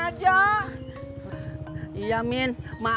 aurangnya mau animals